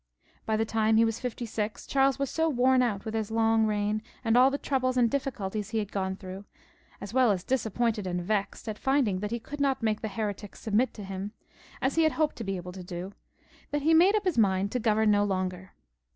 By the time he was fifty six, Charles was so worn out with his long reign and all the troubles and difficulties he had gone through, as well as disappointed and vexed at finding that he could not make the heretics submit to him, as he had hoped to be able to do, that he made up his mind to govern no longer.